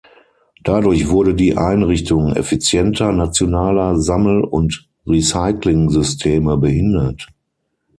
Dadurch wurde die Einrichtung effizienter nationaler Sammel- und Recyclingsysteme behindert.